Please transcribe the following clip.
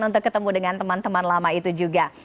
untuk ketemu dengan teman teman lama itu juga